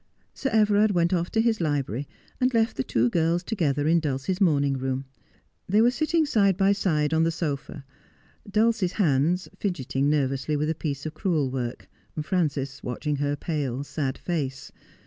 Sir Everard went off to his library, and left the two girls together in Dulcie's morning room. They were sitting side by side on the sofa, Dulcie's hands fidgeting nervously with a piece of crewel work, Frances watching her pale, sad face.